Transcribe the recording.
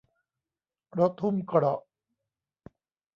รถหุ้มเกราะ